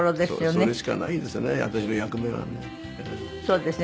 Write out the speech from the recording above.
それしかないですね